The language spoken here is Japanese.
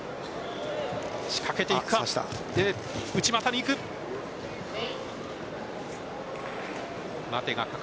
仕掛けていくか。